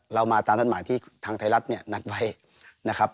เรามาตามนัดหมายที่ทางไทยรัฐเนี่ยนัดไว้นะครับ